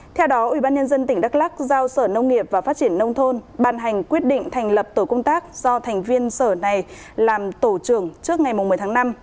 theo đó ubnd tỉnh đắk lắc giao sở nông nghiệp và phát triển nông thôn ban hành quyết định thành lập tổ công tác do thành viên sở này làm tổ trưởng trước ngày một mươi tháng năm